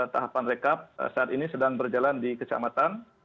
tahapan rekap saat ini sedang berjalan di kecamatan